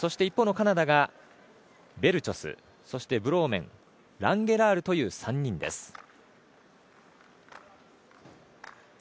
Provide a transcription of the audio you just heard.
一方のカナダはベルチョス、ブローメンランゲラールという３人です。